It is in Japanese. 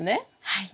はい。